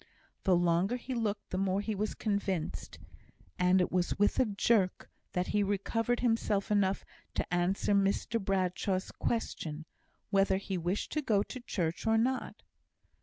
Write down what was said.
The longer he looked the more he was convinced; and it was with a jerk that he recovered himself enough to answer Mr Bradshaw's question, whether he wished to go to church or not.